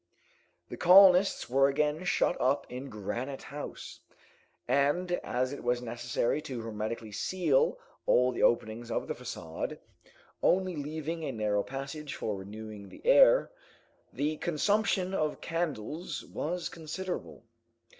The colonists were again shut up in Granite House, and as it was necessary to hermetically seal all the openings of the facade, only leaving a narrow passage for renewing the air, the consumption of candles was considerable.